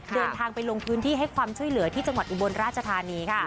เดินทางไปลงพื้นที่ให้ความช่วยเหลือที่จังหวัดอุบลราชธานีค่ะ